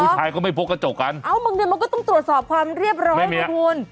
ชายก็ไม่พกกระจกกันเอ้าบางทีมันก็ต้องตรวจสอบความเรียบร้อยไงคุณ